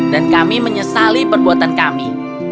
dan kami menyesali perbuatan kami